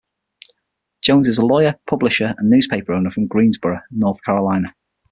Jones is a lawyer, publisher and newspaper owner from Greensboro, North Carolina.